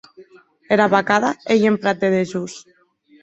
Era vacada ei en prat de dejós.